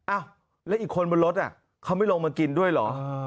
อ้าวแล้วอีกคนบนรถเขาไม่ลงมากินด้วยเหรอ